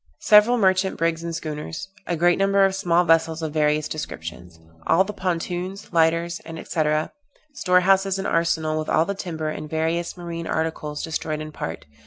Several merchant brigs and schooners. A great number of small vessels of various descriptions. All the pontoons, lighters, &c., Store houses and arsenal, with all the timber, and various marine articles destroyed in part.